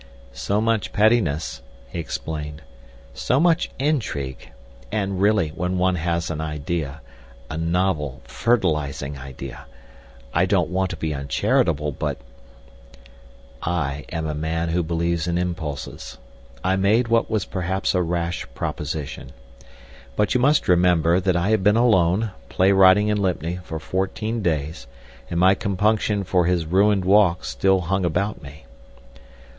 "So much pettiness," he explained; "so much intrigue! And really, when one has an idea—a novel, fertilising idea—I don't want to be uncharitable, but—" I am a man who believes in impulses. I made what was perhaps a rash proposition. But you must remember, that I had been alone, play writing in Lympne, for fourteen days, and my compunction for his ruined walk still hung about me.